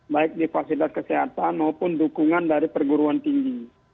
baik di fasilitas kesehatan maupun dukungan dari perguruan tinggi